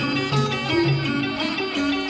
โอเคครับ